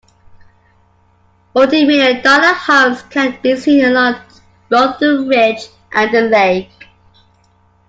Multimillion-dollar homes can be seen along both the ridge and the lake.